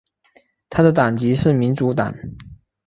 他的党籍是民主党。